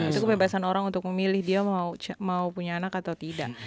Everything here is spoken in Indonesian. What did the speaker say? itu kebebasan orang untuk memilih dia mau punya anak atau tidak